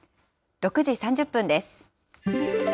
６時３０分です。